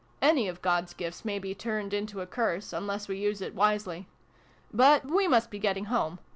Any of God's gifts may be turned into a curse, unless we use it wisely. But we must be getting home.